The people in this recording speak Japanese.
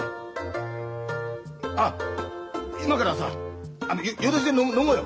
あっ今からさ夜通しで飲もうよ。